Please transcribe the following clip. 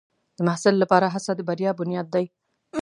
د محصل لپاره هڅه د بریا بنیاد دی.